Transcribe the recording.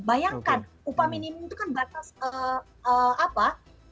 bayangkan upah minimum itu kan batas apa